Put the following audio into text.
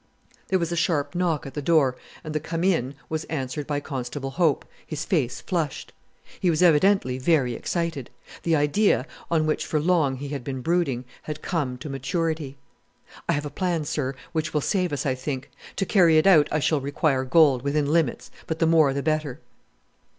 There was a sharp knock at the door, and the "Come in" was answered by Constable Hope his face flushed. He was evidently very excited. The idea on which for long he had been brooding had come to maturity! "I have a plan, sir, which will save us, I think. To carry it out I shall require gold, within limits, but the more the better."